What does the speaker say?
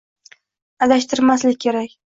Adashtirmaslik kerak.